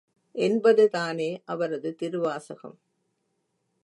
என்பதுதானே அவரது திருவாசகம்.